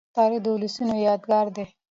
تاریخ د ولسونو یادګار دی.